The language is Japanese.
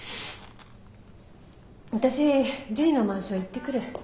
私ジュニのマンション行ってくる。